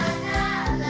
terima kasih pak hendrik